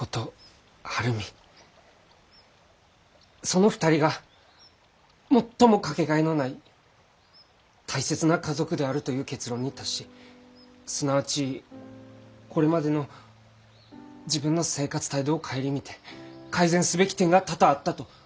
その２人が最も掛けがえのない大切な家族であるという結論に達しすなわちこれまでの自分の生活態度を顧みて改善すべき点が多々あったと。